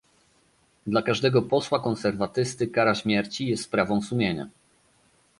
Dla każdego posła konserwatysty kara śmierci jest sprawą sumienia